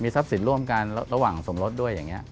ทรัพย์สินร่วมกันระหว่างสมรสด้วยอย่างนี้